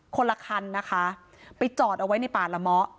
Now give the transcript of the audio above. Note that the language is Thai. คนละคันนะคะไปจอดเอาไว้ในป่าละเมาะ